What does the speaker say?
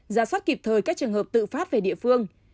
giả soát kịp thời các trường hợp tự phát về địa phương